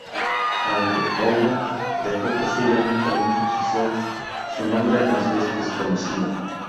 Aunque Owen dejó posiblemente algún sucesor, su nombre nos es desconocido.